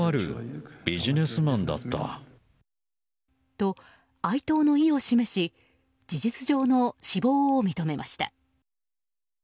と、哀悼の意を示し事実上の死亡を認めました。